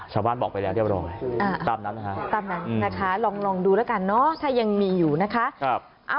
ชาวบ้านบอกไปแล้วเรียบร้อยตามนั้นนะคะตามนั้นนะคะลองดูแล้วกันเนอะถ้ายังมีอยู่นะคะ